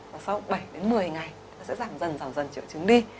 và sau bảy đến một mươi ngày nó sẽ giảm dần giảm dần trở trứng đi